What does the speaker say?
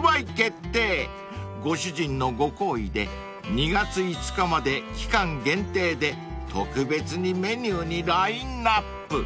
［ご主人のご厚意で２月５日まで期間限定で特別にメニューにラインアップ］